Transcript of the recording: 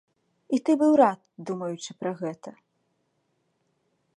І ты быў рад, думаючы пра гэта.